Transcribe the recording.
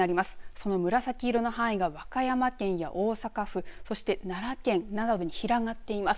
その紫色の範囲が和歌山県や大阪府そして奈良県などに広がっています。